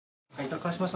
川島さん